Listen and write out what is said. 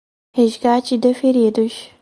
Resgate de Feridos